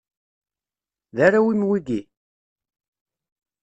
D arraw-im wigi?